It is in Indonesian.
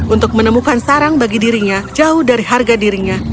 untuk menemukan sarang bagi dirinya jauh dari harga dirinya